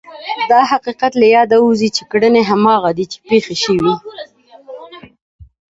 دا حقیقت له یاده ووځي چې کړنې هماغه دي چې پېښې شوې.